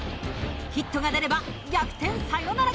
ヒットが出れば逆転サヨナラ勝ち。